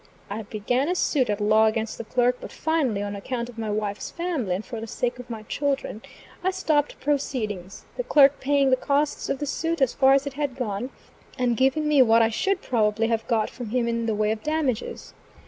I began a suit at law against the clerk; but finally, on account of my wife's family and for the sake of my children, I stopped proceedings, the clerk paying the costs of the suit as far as it had gone, and giving me what I should probably have got from him in the way of damages.